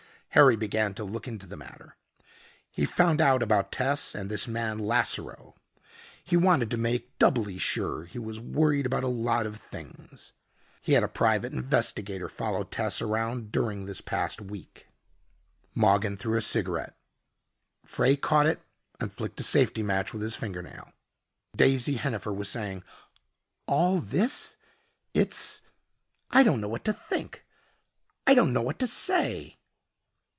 Harry began to look into the matter. He found out about Tess and this man Lasseroe. He wanted to make doubly sure. He was worried about a lot of things. He had a private investigator follow Tess around during this past week." Mogin threw a cigarette. Frey caught it and flicked a safety match with his fingernail. Daisy Hennifer was saying, "All this it's I don't know what to think. I don't know what to say."